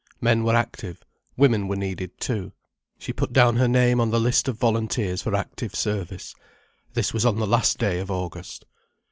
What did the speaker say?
Men were active, women were needed too. She put down her name on the list of volunteers for active service. This was on the last day of August.